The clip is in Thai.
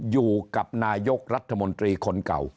อยู่กับนายกรัฐมนตรีคนเก่า